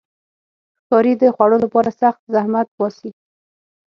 ښکاري د خوړو لپاره سخت زحمت باسي.